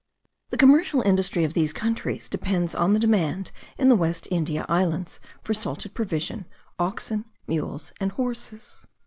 The commercial industry of these countries depends on the demand in the West India Islands for salted provision, oxen, mules, and horses.